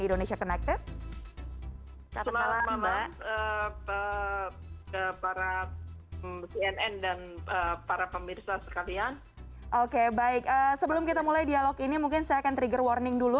oke baik sebelum kita mulai dialog ini mungkin saya akan trigger warning dulu